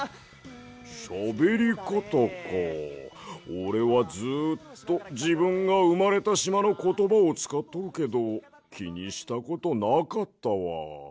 おれはずっとじぶんがうまれたしまのことばをつかっとるけどきにしたことなかったわ。